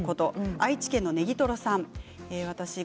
愛知県の方からです。